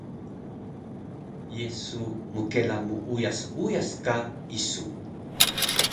Ye su mkela muuyas uyas ka isu?